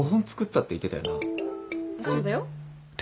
そうだよ。